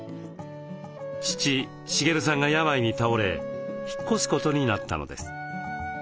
父・茂さんが病に倒れ引っ越すことになったのです。